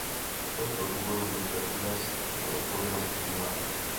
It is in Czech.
Z tohoto důvodu zde dnes tuto odpovědnost přijímáme.